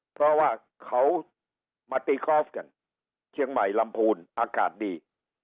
เพราะว่าเขามาตีกอล์ฟกันเชียงใหม่ลำพูนอากาศดี